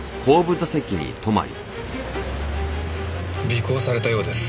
尾行されたようです。